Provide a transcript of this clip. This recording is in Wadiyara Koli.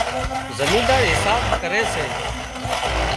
زمينۮار حساب ڪري سي